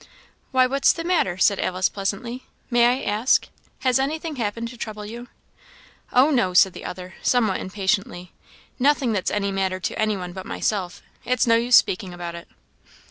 "Why, what's the matter?" said Alice, pleasantly; "may I ask? Has anything happened to trouble you?" "Oh, no!" said the other, somewhat impatiently; "nothing that's any matter to anyone but myself; it's no use speaking about it."